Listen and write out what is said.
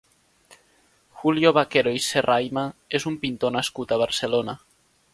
Julio Vaquero i Serraima és un pintor nascut a Barcelona.